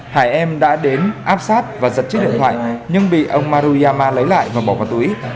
hải em đã đến áp sát và giật chiếc điện thoại nhưng bị ông maruyama lấy lại và bỏ vào túi